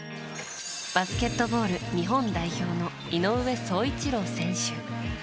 バスケットボール日本代表の井上宗一郎選手。